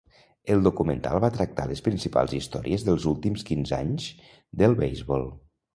El documental va tractar les principals històries dels últims quinze anys del beisbol.